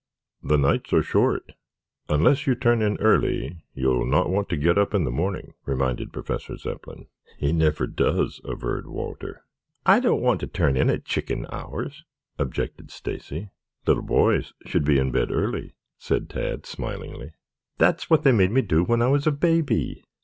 "The nights are short. Unless you turn in early you will not want to get up in the morning," reminded Professor Zepplin. "He never does," averred Walter. "I don't want to turn in at chicken hours," objected Stacy. "Little boys should be in bed early," said Tad smilingly. "That's what they made me do when I was a baby.